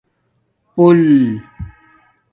پُݸل